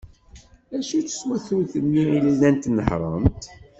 Acu-tt twaturt-nni i llant nehhrent?